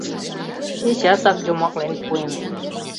— Чечасак йомаклен пуэм.